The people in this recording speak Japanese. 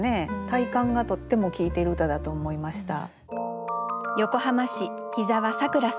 体感がとっても効いている歌だと思いました。